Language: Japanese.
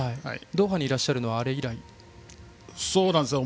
ドーハにいらっしゃるのはあれ以来ですか。